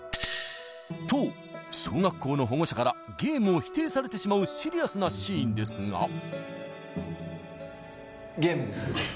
と小学校の保護者からゲームを否定されてしまうシリアスなシーンですがゲームです・